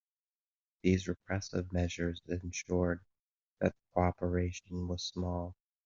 These repressive measures ensured that the cooperation was small.